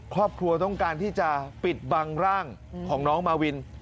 ครอบครัวต้องการที่จะปิดบังร่างของน้องมาวิน